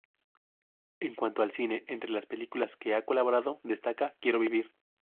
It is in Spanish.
En cuanto al cine, entre las películas que ha colaborado destaca ¡Quiero vivir!